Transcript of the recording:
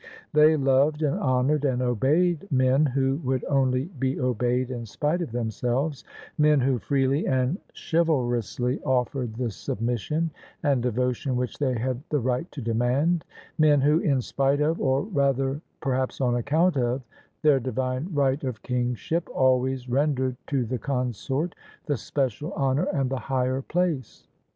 They loved and honoured and obeyed men who would only be obeyed in spite of themselves ; men who freely and chival rously offered the submission and devotion which they had the right to demand : men who in spite of (or, rather, per haps on account of) their divine right of kingship, always rendered to the consort the special honour and the higher place.